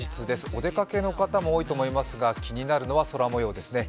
お出かけの方も多いと思いますが気になるのは空もようですね。